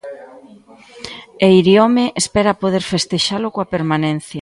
E Iriome espera poder festexalo coa permanencia.